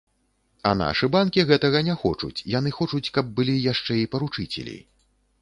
А нашы банкі гэтага не хочуць, яны хочуць, каб былі яшчэ і паручыцелі.